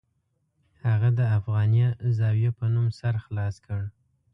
هغه د افغانیه زاویه په نوم سر خلاص کړ.